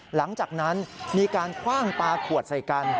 หลังจากนั้นมีการคว่างปลาขวดใส่กัน